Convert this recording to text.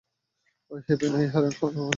ঐ হ্যাপি না, এটা হ্যারল্ড হোগানের ডাকনাম।